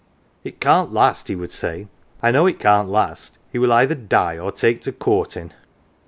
" It can't last," he would say. " I know it can't last. He will either die or take to ' coortin 1